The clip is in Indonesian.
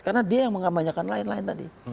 karena dia yang mengamanyakan lain lain tadi